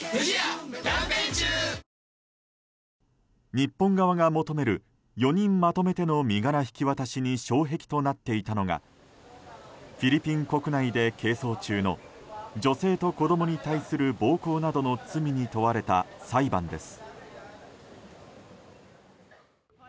日本側が求める４人まとめての身柄引き渡しに障壁となっていたのがフィリピン国内で係争中の女性と子供に対する暴行などの罪に問われた裁判です。